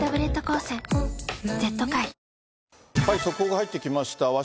速報が入ってきました。